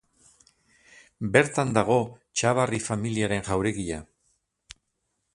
Bertan dago Txabarri familiaren jauregia.